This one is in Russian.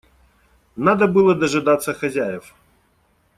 Надо было дожидаться хозяев.